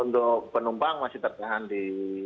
untuk penumpang masih tertahan di